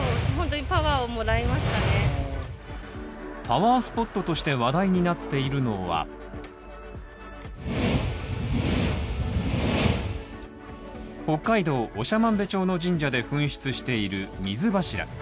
パワースポットとして話題になっているのは北海道長万部町の神社で噴出している水柱。